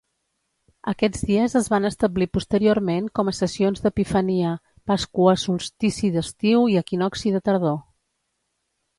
Aquests dies es van establir posteriorment com a sessions d'Epifania, Pasqua, solstici d'estiu i equinocci de tardor.